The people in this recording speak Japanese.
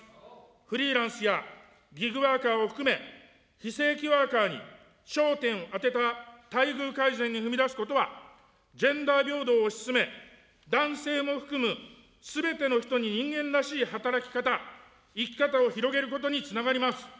フリーランスやギグワーカーを含め、非正規ワーカーに焦点をあてた待遇改善に踏み出すことはジェンダー平等を推し進め、男性も含む、すべての人に人間らしい働き方、生き方を広げることにつながります。